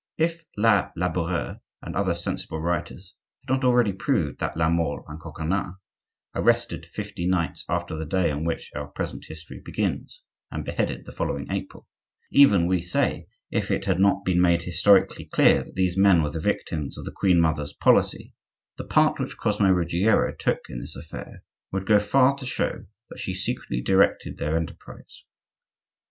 If Le Laboureur and other sensible writers had not already proved that La Mole and Coconnas,—arrested fifty nights after the day on which our present history begins, and beheaded the following April,—even, we say, if it had not been made historically clear that these men were the victims of the queen mother's policy, the part which Cosmo Ruggiero took in this affair would go far to show that she secretly directed their enterprise.